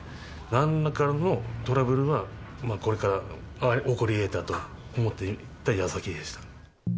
なんらかのトラブルはこれから起こり得たと思っていたやさきでし